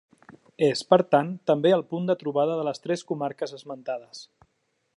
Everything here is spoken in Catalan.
És, per tant, també el punt de trobada de les tres comarques esmentades.